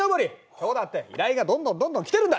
今日だって依頼がどんどんどんどん来てるんだ！